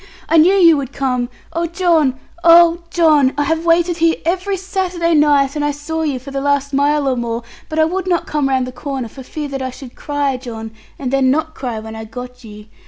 'I knew you would come. Oh John! Oh John! I have waited here every Saturday night; and I saw you for the last mile or more, but I would not come round the corner, for fear that I should cry, John, and then not cry when I got you.